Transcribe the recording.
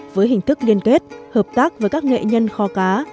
với hình thức liên kết hợp tác với các nghệ nhân kho cá